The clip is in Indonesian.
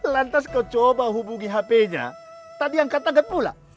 lantas kau coba hubungi hp nya tak diangkat tangan pula